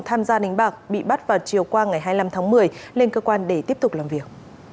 tham gia đánh bạc bị bắt vào chiều qua ngày hai mươi năm tháng một mươi lên cơ quan để tiếp tục làm việc